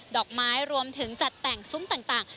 อกไม้รวมถึงจัดแต่งซุ้มต่าง